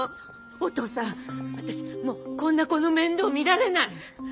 おとうさん私もうこんな子の面倒見られない。